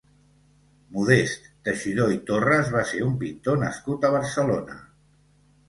Modest Teixidor i Torres va ser un pintor nascut a Barcelona.